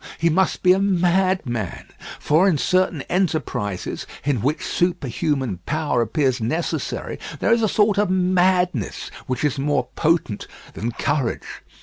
He must be a madman: for in certain enterprises, in which superhuman power appears necessary, there is a sort of madness which is more potent than courage.